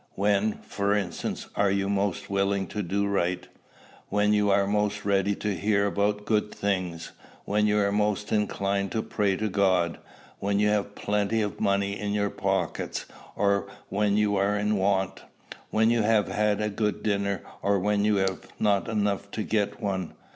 When, for instance, are you most willing to do right? When are you most ready to hear about good things? When are you most inclined to pray to God? When you have plenty of money in your pockets, or when you are in want? when you have had a good dinner, or when you have not enough to get one?